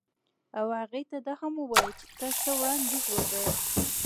او هغې ته دا هم ووایه چې تا څه وړاندیز وکړ